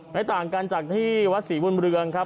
ไม่ต่างกันจากที่วัดศรีบุญเรืองครับ